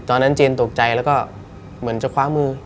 ตอนนั้นเจนตกใจแล้วก็เหมือนจะคว้ามือ